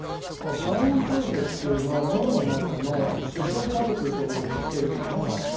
この体温調節というのは脳の中の視床下部という所でしてるんですね。